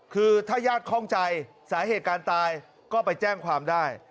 คือถ้าญาติคล่องใจสาเหตุการตายก็ไปแจ้งความได้